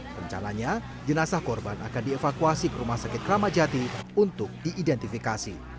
rencananya jenazah korban akan dievakuasi ke rumah sakit ramadjati untuk diidentifikasi